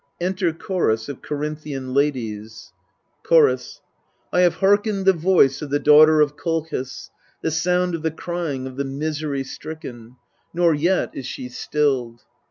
Enter CHORUS of Corinthian Ladies Chorus. 1 have hearkened the voice of the daughter of Kolchis, the sound of the crying Of the misery stricken ; nor yet is she stilled.